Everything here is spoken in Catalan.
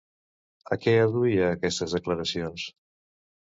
A què adduïa aquestes declaracions?